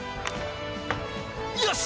よし！